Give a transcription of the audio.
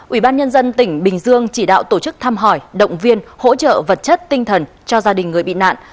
ủy ban nhân dân tỉnh bình dương chỉ đạo tổ chức thăm hỏi động viên hỗ trợ vật chất tinh thần cho gia đình người bị nạn